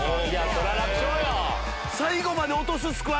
そりゃ楽勝よ！